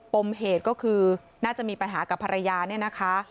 ปมเหตุก็คือน่าจะมีปัญหากับภรรยาเนี่ยนะคะ